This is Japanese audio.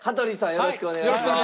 よろしくお願いします。